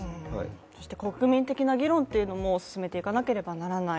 そして国民的な議論というのも進めていかなければならない。